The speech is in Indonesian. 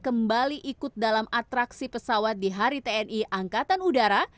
kembali ikut dalam atraksi pesawat di hari tni angkatan udara